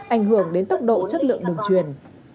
ảnh hưởng đến tốc độ chất lượng đường truyền